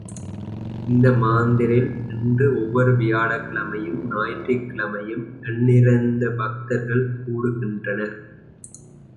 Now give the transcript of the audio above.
இந்த மந்திரில் இன்று ஒவ்வொரு வியாழக்கிழமையும், ஞாயிற்றுகிழமையும் எண்ணிறந்த பக்தர்கள் கூடுகின்றனர் வணங்குகின்றனர்.